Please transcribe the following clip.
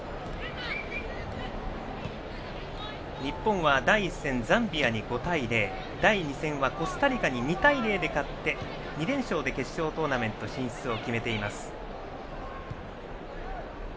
日本は第１戦、ザンビアに５対０第２戦はコスタリカに２対０で勝って２連勝で決勝トーナメント進出を決めています。